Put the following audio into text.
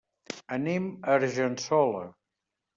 Anem a Argençola.